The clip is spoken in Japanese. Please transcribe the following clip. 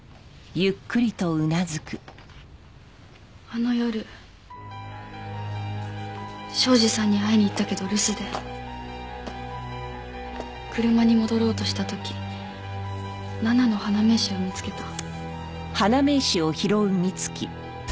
あの夜庄司さんに会いに行ったけど留守で車に戻ろうとした時奈々の花名刺を見つけた。